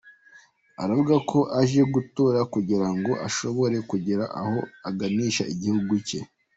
Aravuga ko aje gutora kugira ngo ashobore kugira aho aganisha igihugu cye.